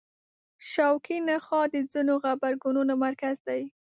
شوکي نخاع د ځینو غبرګونونو مرکز دی.